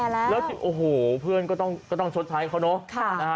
แล้วโอ้โหเพื่อนก็ต้องชดใช้เขาเนอะ